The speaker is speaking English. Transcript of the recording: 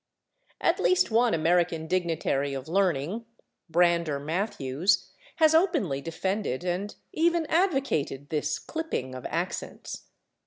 At least one American dignitary of learning, Brander Matthews, has openly defended and even advocated this clipping of accents.